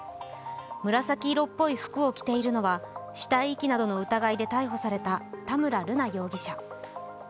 紫色っぽい服を着ているのは死体遺棄などの疑いで逮捕された田村瑠奈容疑者。